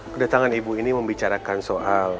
kedatangan ibu ini membicarakan soal